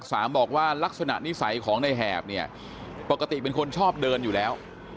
บอกว่าลักษณะนิสัยของในแหบเนี่ยปกติเป็นคนชอบเดินอยู่แล้ว